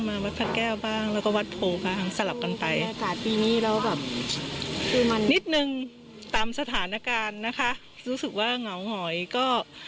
ตามสถานการณ์นะคะรู้สึกว่าเหงาเหงาอยก็